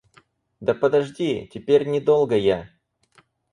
Да подожди, теперь не долго я...